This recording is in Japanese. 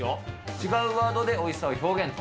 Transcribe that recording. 違うワードでおいしさを表現と。